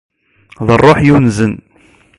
D ṛṛuḥ yunzen.